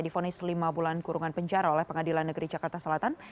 difonis lima bulan kurungan penjara oleh pengadilan negeri jakarta selatan